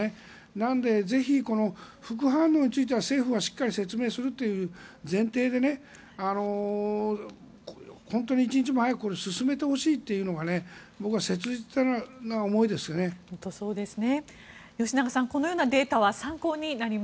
なので、ぜひ副反応については政府がしっかり説明するという前提で本当に一日も早く進めてほしいというのが僕は切実な思いですね。